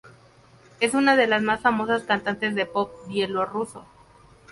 Es una de las más famosas cantantes de pop bielorruso.